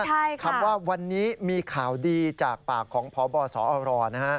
คำว่าวันนี้มีข่าวดีจากปากของพบสอรนะฮะ